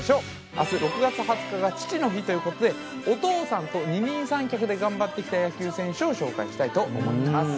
明日６月２０日が父の日ということでお父さんと二人三脚で頑張って来た野球選手を紹介したいと思ってます。